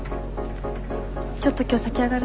ちょっと今日先上がるね。